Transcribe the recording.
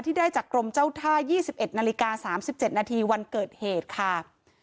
ที่ได้จากกรมเจ้าท่า๒๑น๓๗นวันเกิดเหตุค่ะ